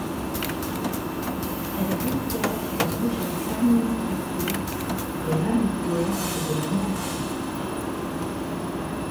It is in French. Elle dessert les régions administratives de Lanaudière et de la Mauricie.